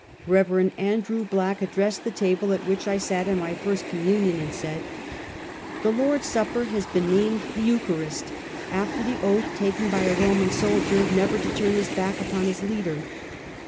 Eev. Andrew Black addressed the table at which I sat in my first communion, and said: "The Lord's Supper has been named the Eucharist, after the oath taken by a Eoman soldier, never to turn his back upon his leader.